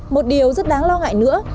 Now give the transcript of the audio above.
một điều rất đáng lo ngại nữa